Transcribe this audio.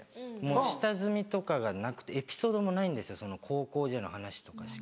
下積みとかがなくてエピソードもないんですよ高校時代の話とかしか。